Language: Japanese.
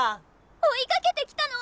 追いかけてきたの。